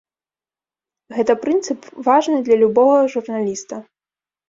Гэты прынцып важны для любога журналіста.